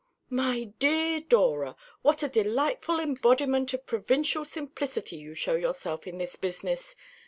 "My dear Dora, what a delightful embodiment of provincial simplicity you show yourself in this business!"